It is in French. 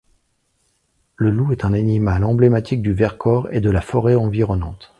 Le loup est un animal emblématique du Vercors et de la forêt environnante.